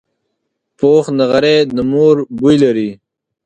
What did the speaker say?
پوخ نغری د مور بوی لري